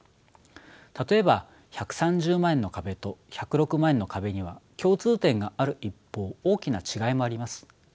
例えば１３０万円の壁と１０６万円の壁には共通点がある一方大きな違いもあります。